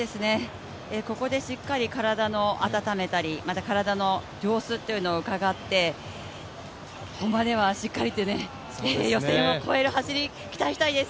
ここでしっかり体を温めたり、また体の様子を伺って、本番ではしっかりと、予選をこえる走りを期待したいです。